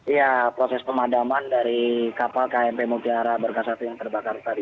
iya proses pemadaman dari kapal kmp mutiara berkas satu yang terbakar tadi